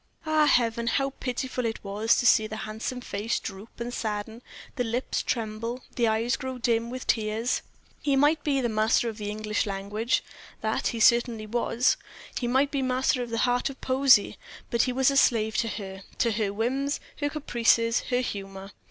Ah, heaven! how pitiful it was to see the handsome face droop and sadden, the lips tremble, the eyes grow dim with tears. He might be master of the English language, that he certainly was; he might be master of the heart of poesy, but he was a slave to her, to her whims, her caprices, her humor.